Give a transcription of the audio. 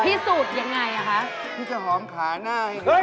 พี่สูตรอย่างไรคะพี่จะหอมขาหน้าให้ดู